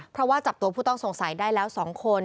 เพราะว่าจับตัวผู้ต้องสงสัยได้แล้ว๒คน